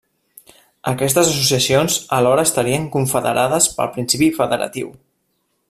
Aquestes associacions alhora estarien confederades pel principi federatiu.